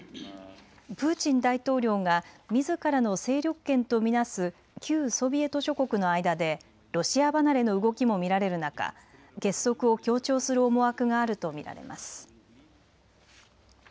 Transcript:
プーチン大統領がみずからの勢力圏と見なす旧ソビエト諸国の間でロシア離れの動きも見られる中、結束を強調する思惑があると見られます。